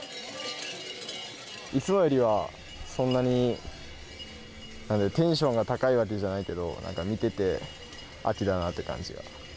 いつもよりは、そんなにテンションが高いわけじゃないけど、見てて秋だなって感